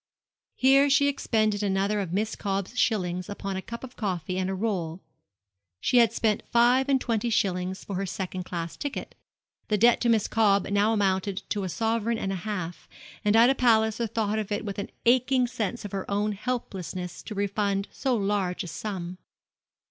Here she expended another of Miss Cobb's shillings upon a cup of coffee and a roll. She had spent five and twenty shillings for her second class ticket. The debt to Miss Cobb now amounted to a sovereign and a half; and Ida Palliser thought of it with an aching sense of her own helplessness to refund so large a sum.